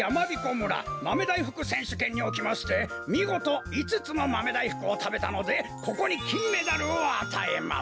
村まめだいふくせんしゅけんにおきましてみごと５つもまめだいふくをたべたのでここにきんメダルをあたえます。